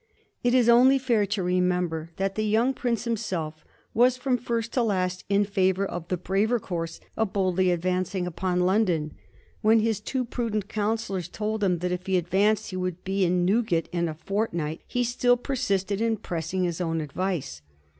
It is only fair to remember that the young prince him self was from first to last in favor of the braver course of boldly advancing upon London. When his too prudent counsellors told him that if he advanced he would be in Newgate in a fortnight, he still persisted in pressing his own advice.